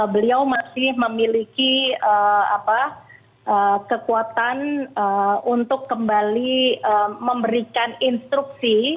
beliau masih memiliki kekuatan untuk kembali memberikan instruksi